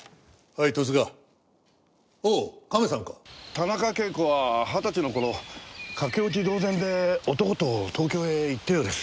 田中啓子は二十歳の頃駆け落ち同然で男と東京へ行ったようです。